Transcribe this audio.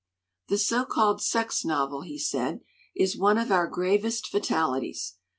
"The so called sex novel," he said, "is one of our gravest fatalities.